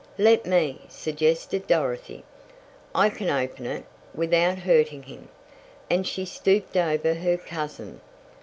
"Let me!" suggested Dorothy. "I can open it, without hurting him," and she stooped over her cousin.